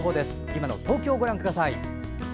今の東京をご覧ください。